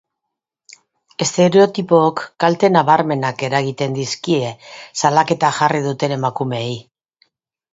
Estereotipook kalte nabarmenak eragiten dizkie salaketa jarri duten emakumeei.